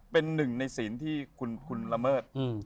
เป็นหนึ่งในศีลที่คุณละเมิด